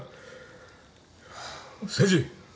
誠治。